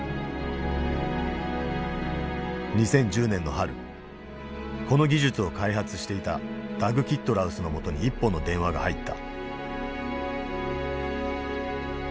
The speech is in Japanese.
２０１０年の春この技術を開発していたダグ・キットラウスのもとに一本の電話が入った。